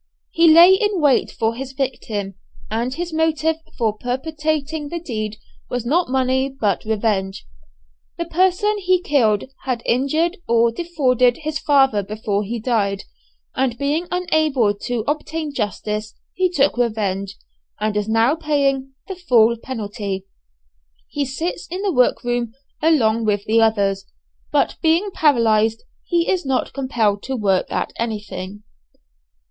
He lay in wait for his victim, and his motive for perpetrating the deed was not money but revenge. The person he killed had injured or defrauded his father before he died, and being unable to obtain justice he took revenge, and is now paying the full penalty. He sits in the workroom along with the others, but being paralyzed he is not compelled to work at anything.